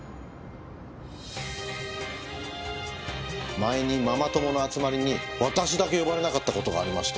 前にママ友の集まりに私だけ呼ばれなかった事がありまして。